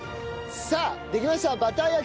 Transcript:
さあできました。